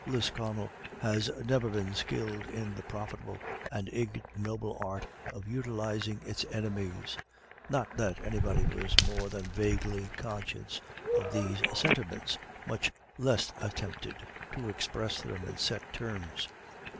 Lisconnel has never been skilled in the profitable and ignoble art of utilizing its enemies. Not that anybody was more than vaguely conscious of these sentiments, much less attempted to express them in set terms.